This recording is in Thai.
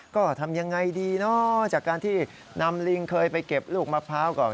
ก็ทำยังไงดีเนาะจากการที่นำลิงเคยไปเก็บลูกมะพร้าวก่อน